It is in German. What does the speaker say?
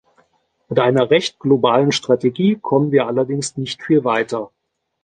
Mit einer recht globalen Strategie kommen wir allerdings nicht viel weiter.